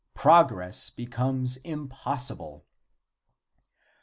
Progress becomes impossible.